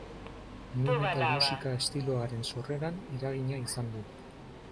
Nu metal musika estiloaren sorreran eragina izan du.